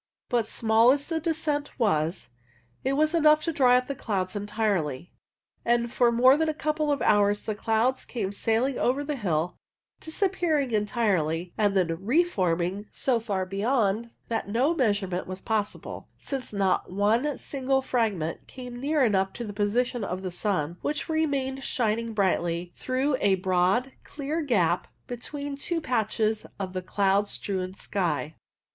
But small as the descent was, it was enough to dry up the clouds entirely, and for more than a couple of hours the clouds came sailing over the hill, disappearing entirely, and then reforming so far beyond that no measurement was possible, since not one single fragment came near enough to the position of the sun, which remained shining brightly through a broad clear gap between two patches of cloud strewn sky.